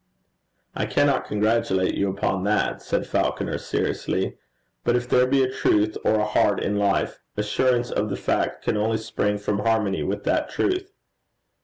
'I cannot congratulate you upon that,' said Falconer, seriously. 'But if there be a truth or a heart in life, assurance of the fact can only spring from harmony with that truth.